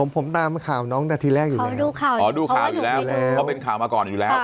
ผมตามข่าวน้องนาทีแรกอยู่แล้วอ๋อดูข่าวอยู่แล้วเพราะเป็นข่าวมาก่อนอยู่แล้ว